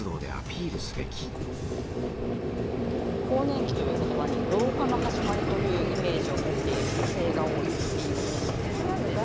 更年期という言葉に老化の始まりというイメージを持っている女性が多いっていうようなことがあって。